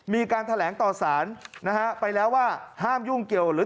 มีการแถลงต่อสารนะฮะไปแล้วว่าห้ามยุ่งเกี่ยวหรือ